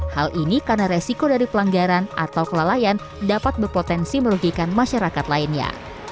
hal ini karena resiko dari pelanggaran atau kelalaian dapat berpotensi merugikan masyarakat lainnya